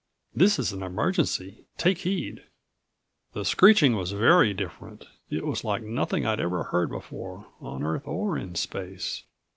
This is an emergency. Take heed!" The screeching was very different. It was like nothing I'd ever heard before, on Earth or in space.